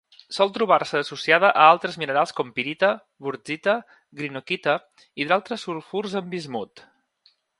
Sol trobar-se associada a altres minerals com: pirita, wurtzita, greenockita i d'altres sulfurs amb bismut.